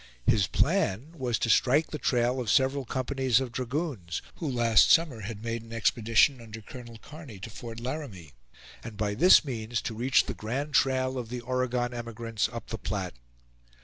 His plan was to strike the trail of several companies of dragoons, who last summer had made an expedition under Colonel Kearny to Fort Laramie, and by this means to reach the grand trail of the Oregon emigrants up the Platte.